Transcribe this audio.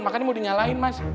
makanya mau dinyalain mas